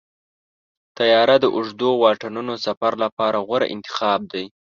طیاره د اوږدو واټنونو سفر لپاره غوره انتخاب دی.